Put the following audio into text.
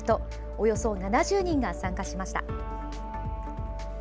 およそ７０人が参加しました。